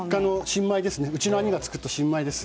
うちの兄が作った新米です。